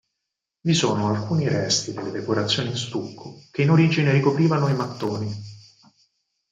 Vi sono alcuni resti delle decorazioni in stucco che in origine ricoprivano i mattoni.